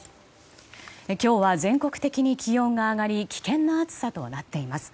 今日は全国的に気温が上がり危険な暑さとなっています。